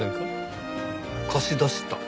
貸し出した？